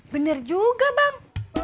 bener juga bang